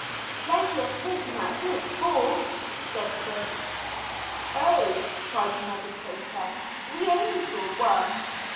"Plenty of fish in that big pool," said Chris. "Oh!" cried Ned in protest. "We only saw one."